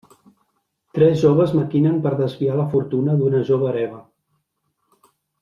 Tres homes maquinen per desviar la fortuna d'una jove hereva.